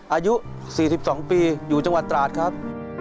อายุ๔๒ปีอยู่จังหวัดตราดครับ